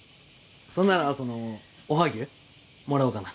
そんならそのおはぎゅうもらおうかな。